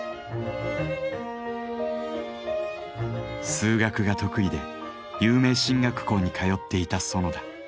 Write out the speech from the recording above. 数学が得意で有名進学校に通っていた園田。